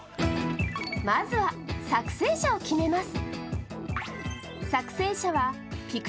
まずは作成者を決めます。